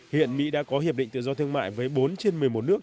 hiện mỹ đã có hiệp định tự do thương mại với bốn trên một mươi một nước